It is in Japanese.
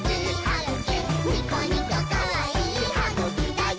ニコニコかわいいはぐきだよ！」